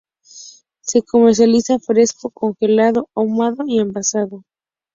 Se comercializa fresco, congelado, ahumado y envasado.